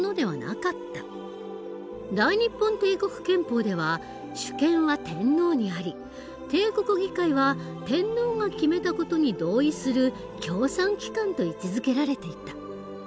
大日本帝国憲法では主権は天皇にあり帝国議会は天皇が決めた事に同意する協賛機関と位置づけられていた。